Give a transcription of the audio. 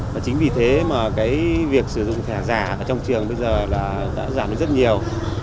và chính vì thế mà cái việc sử dụng thẻ giả trong trường bây giờ đã giảm rất nhiều